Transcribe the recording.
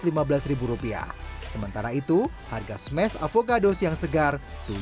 porsi egg norwegian dibanderol satu ratus lima belas rupiah sementara itu harga smash avocados yang segar